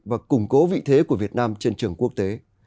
và củng cố vị thế của việt nam trên trường quốc tế